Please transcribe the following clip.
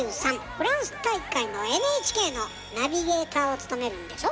フランス大会のＮＨＫのナビゲーターを務めるんでしょ？